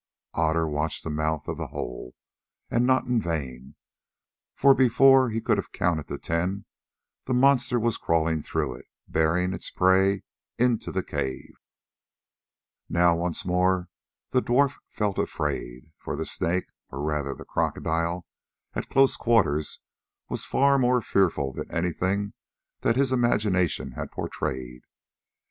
Otter watched the mouth of the hole, and not in vain; for before he could have counted ten the monster was crawling through it, bearing its prey into the cave. Now once more the dwarf felt afraid, for the Snake, or rather the crocodile, at close quarters was far more fearful than anything that his imagination had portrayed.